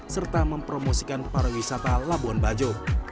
serta mempromosikan para wisata labuan bajo